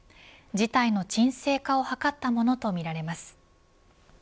事態の沈静化を図ったものとみられます。